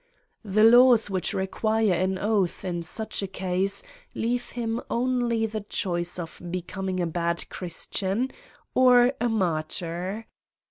The laws which require an oath in such a case leave him only the choice of becoming a bad Christian or a martyr.